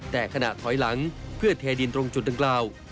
แต่ในขณะถอยกอย่างหลังเพื่อเทดินตรงจุดตรงกล่าว